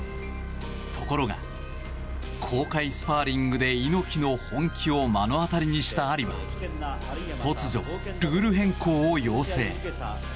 ところが、公開スパーリングで猪木の本気を目の当たりにしたアリは突如、ルール変更を要請。